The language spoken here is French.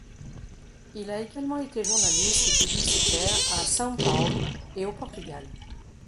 Il a également été journaliste et publicitaire à São Paulo et au Portugal.